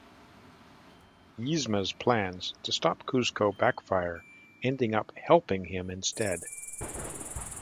Yzma's plans to stop Kuzco backfire, ending up helping him instead.